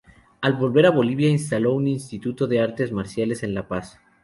Al volver a Bolivia instaló un instituto de artes marciales en La Paz.